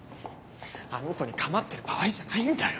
あの子に構ってる場合じゃないんだよ